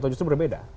atau justru berbeda